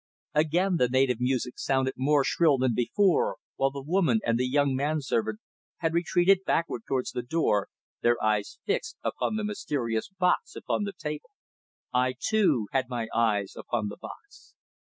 Again the native music sounded more shrill than before, while the woman and the young man servant had retreated backward towards the door, their eyes fixed upon the mysterious box upon the table. I, too, had my eyes upon the box.